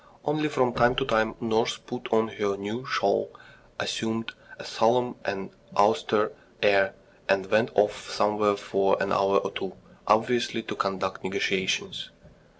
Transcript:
Only from time to time nurse put on her new shawl, assumed a solemn and austere air, and went off somewhere for an hour or two, obviously to conduct negotiations.